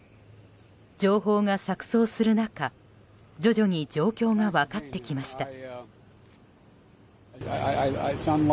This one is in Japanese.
情報が錯綜する中徐々に状況が分かってきました。